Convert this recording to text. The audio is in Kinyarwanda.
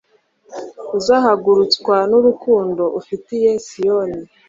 uzahagurutswa n'urukundo ufitiye siyoni